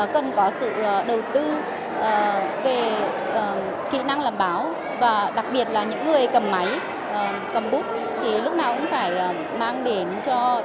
cần có sự đầu tư về kỹ năng làm báo và đặc biệt là những người cầm máy cầm bút thì lúc nào cũng phải mang đến cho đọc giả những cái sáng tạo của người làm báo